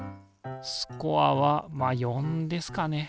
スコアはまあ４ですかね。